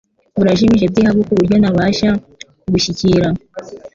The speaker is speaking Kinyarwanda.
burajimije by’ihabu ku buryo ntabasha kubushyikira